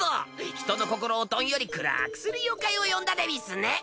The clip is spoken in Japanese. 人の心をどんよりくらくする妖怪を呼んだでうぃすね。